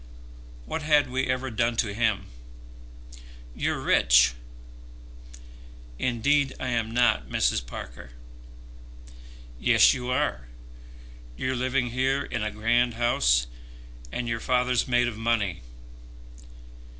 What had we ever done to him? You're rich." "Indeed I am not, Mrs. Parker." "Yes, you are. You're living here in a grand house, and your father's made of money.